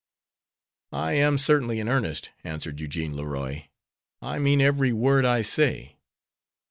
"I am certainly in earnest," answered Eugene Leroy. "I mean every word I say."